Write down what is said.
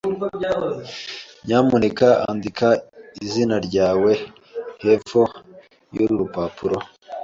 Nyamuneka andika izina ryawe hepfo yuru rupapuro.